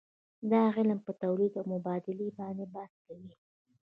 دا علم په تولید او مبادلې باندې بحث کوي.